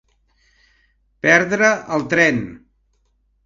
Perdre el tren.